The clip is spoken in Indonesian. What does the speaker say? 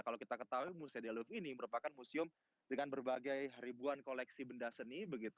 kalau kita ketahui musedialog ini merupakan museum dengan berbagai ribuan koleksi benda seni